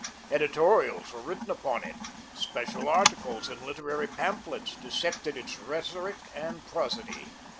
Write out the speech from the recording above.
Editorials were written upon it. Special articles, in literary pamphlets, dissected its rhetoric and prosody.